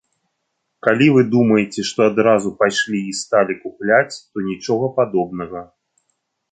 Калі вы думаеце, што адразу пайшлі і сталі купляць, то нічога падобнага.